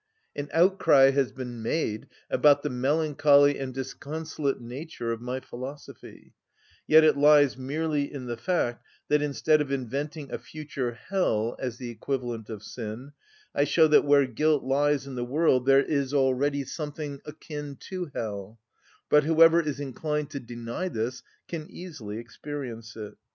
_" An outcry has been made about the melancholy and disconsolate nature of my philosophy; yet it lies merely in the fact that instead of inventing a future hell as the equivalent of sin, I show that where guilt lies in the world there is also already something akin to hell; but whoever is inclined to deny this can easily experience it.